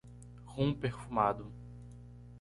Rum perfumado!